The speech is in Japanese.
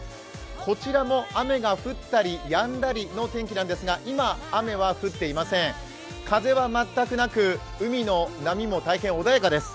こちらも雨が降ったりやんだりの天気なんですが今、雨は降っていません、風は全くなく、海の波も大変穏やかです。